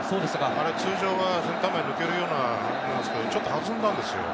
通常はセンター前に抜けるような当たりですけれど、ちょっと弾んだんですよ。